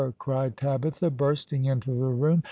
cried Tabitha, bursting into the room.